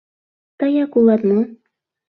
Тыяк улат мо?